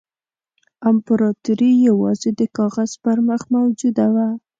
امپراطوري یوازې د کاغذ پر مخ موجوده وه.